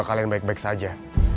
kalian baik baik saja